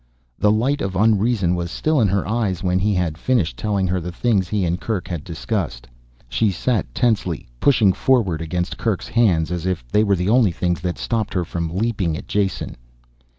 The light of unreason was still in her eyes when he had finished, telling her the things he and Kerk had discussed. She sat tensely, pushed forward against Kerk's hands, as if they were the only things that stopped her from leaping at Jason.